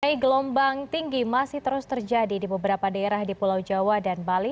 gelombang tinggi masih terus terjadi di beberapa daerah di pulau jawa dan bali